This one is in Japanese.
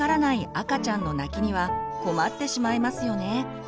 赤ちゃんの泣きには困ってしまいますよね。